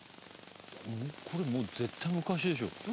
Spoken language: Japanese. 「これもう絶対昔でしょ」